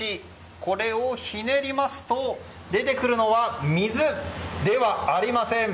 これをひねりますと出てくるのは水ではありません。